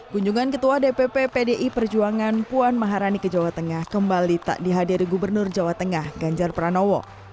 kunjungan ketua dpp pdi perjuangan puan maharani ke jawa tengah kembali tak dihadiri gubernur jawa tengah ganjar pranowo